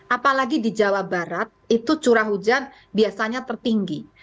apalagi di jawa barat itu curah hujan biasanya tertinggi